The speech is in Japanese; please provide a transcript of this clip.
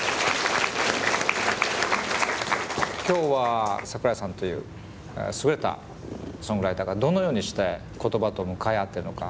今日は桜井さんという優れたソングライターがどのようにして言葉と向かい合ってるのか。